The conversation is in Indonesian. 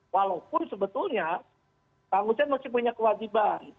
walaupun sebetulnya kang hussein masih punya kewajiban